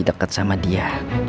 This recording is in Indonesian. deket sama dia